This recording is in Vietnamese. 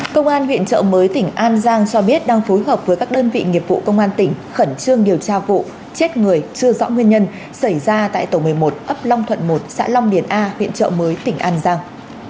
công an huyện trợ mới tỉnh an giang cho biết đang phối hợp với các đơn vị nghiệp vụ công an tỉnh khẩn trương điều tra vụ chết người chưa rõ nguyên nhân xảy ra tại tổ một mươi một ấp long thuận một xã long điền a huyện trợ mới tỉnh an giang